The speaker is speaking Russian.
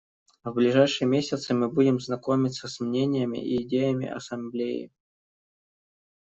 В ближайшие месяцы мы будем знакомиться с мнениями и идеями Ассамблеи.